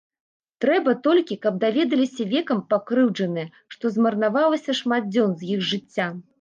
Трэба толькі, каб даведаліся векам пакрыўджаныя, што змарнавалася шмат дзён з іх жыцця.